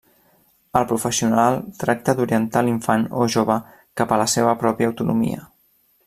El professional tracta d'orientar l'infant o jove cap a la seva pròpia autonomia.